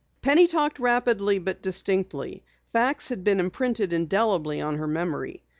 Penny talked rapidly but distinctly. Facts had been imprinted indelibly on her memory.